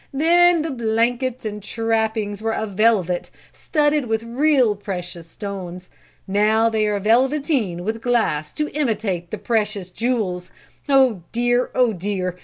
Then my blankets and trappings were of velvet, studded with real precious stones. Now they are velveteen with glass to imitate the precious jewels. Oh, dear! Oh, dear!